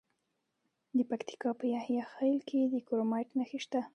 د پکتیکا په یحیی خیل کې د کرومایټ نښې شته.